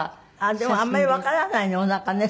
でもあんまりわからないねおなかね